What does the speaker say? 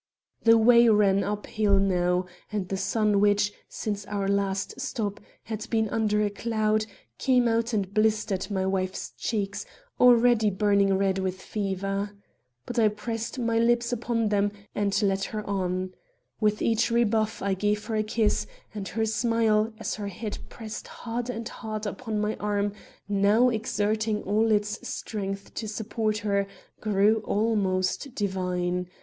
The way ran uphill now; and the sun which, since our last stop, had been under a cloud, came out and blistered my wife's cheeks, already burning red with fever. But I pressed my lips upon them, and led her on. With each rebuff I gave her a kiss; and her smile, as her head pressed harder and harder upon my arm now exerting all its strength to support her, grew almost divine.